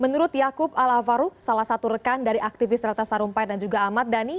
menurut yaakub alavaru salah satu rekan dari aktivis ratna sarumpait dan juga ahmad dhani